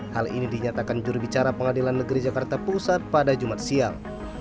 hal ini dinyatakan jurubicara pengadilan negeri jakarta pusat pada jumat siang